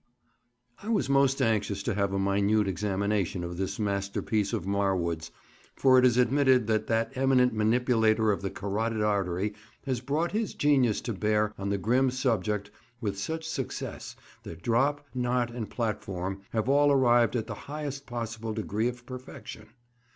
I was most anxious to have a minute examination of this masterpiece of Marwood's, for it is admitted that that eminent manipulator of the carotid artery has brought his genius to bear on the grim subject with such success that drop, knot, and platform have all arrived at the highest possible degree of perfection.